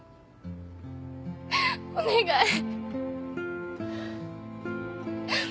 お願い。